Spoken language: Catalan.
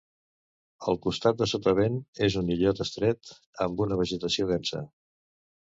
El costat de sotavent és un illot estret amb una vegetació densa.